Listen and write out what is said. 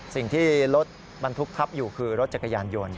สิ่งที่รถบรรทุกทับอยู่คือรถจักรยานยนต์